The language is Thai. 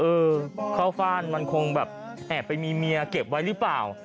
เออเข้าฟ่านมันคงแบบแอบไปมีเมียเก็บไว้หรือเปล่า